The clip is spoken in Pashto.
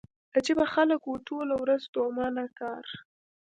عجيبه خلک وو ټوله ورځ ستومانه کار.